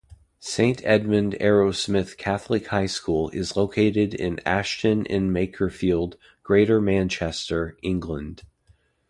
Saint Edmund Arrowsmith Catholic High School is located in Ashton-in-Makerfield, Greater Manchester, England.